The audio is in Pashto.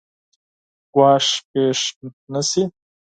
ګواښ پېښ نه شي.